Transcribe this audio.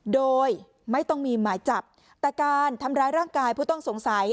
โดยไม่ต้องมีหมายจับแต่การทำร้ายร่างกายผู้ต้องสงสัย